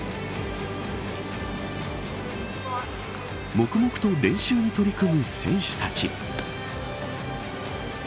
黙々と練習に取り組む選手たち。